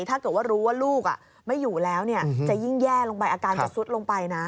ถ้าเกิดว่ารู้ว่าลูกไม่อยู่แล้วจะยิ่งแย่ลงไปอาการจะซุดลงไปนะ